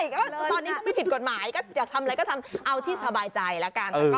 ก็ได้ตอนนี้ก็ไม่ผิดกฎหมายก็ทำอะไรก็เอาที่สบายใจละกัน